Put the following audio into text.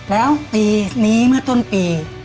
แล้วปีนี้เมื่อต้นปี